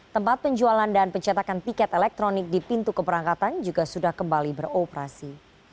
tempat penjualan dan pencetakan tiket elektronik di pintu keberangkatan juga sudah kembali beroperasi